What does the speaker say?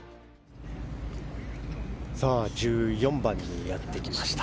１４番にやってきました。